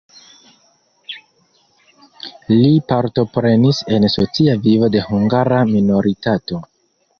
Li partoprenis en socia vivo de hungara minoritato.